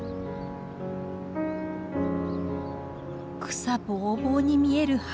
草ぼうぼうに見える畑。